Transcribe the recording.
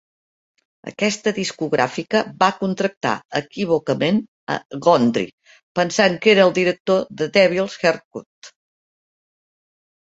Aquesta discogràfica va contractar equívocament a Gondry, pensant que era el director de "Devils Haircut".